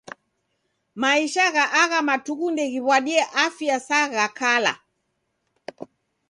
Maisha gha agha matuku ndeghiw'adie afya sa gha kala.